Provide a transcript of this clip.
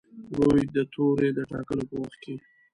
روي د توري د ټاکلو په وخت کې.